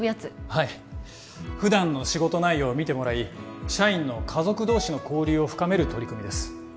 はい普段の仕事内容を見てもらい社員の家族同士の交流を深める取り組みです